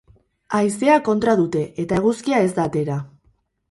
Haizea kontra dute eta eguzkia ez da atera.